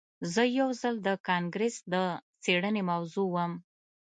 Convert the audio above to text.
زه یو ځل د کانګرس د څیړنې موضوع وم